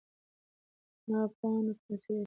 پاڼه نڅېدی شي خو ماتېدی نه شي.